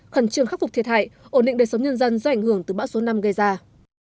khẩn trương khắc phục thiệt hại ổn định đời sống nhân dân do ảnh hưởng từ bão số năm gây ra